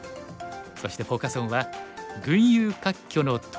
そしてフォーカス・オンは「群雄割拠の到来か！